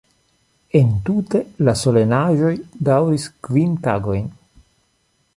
Entute la solenaĵoj daŭris kvin tagojn.